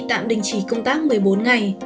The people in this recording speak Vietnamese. tạm đình chỉ công tác một mươi bốn ngày